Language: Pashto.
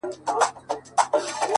صندان د محبت دي په هر واري مخته راسي’